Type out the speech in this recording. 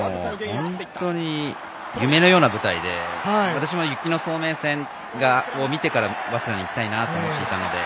本当に夢のような舞台で私も早明戦を見てから早稲田に行きたいと思っていたので。